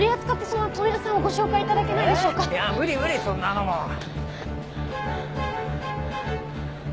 そんなのも。